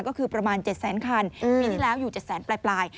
ก็คือประมาณ๗แสนคันปีที่แล้วอยู่๗แสนปลาย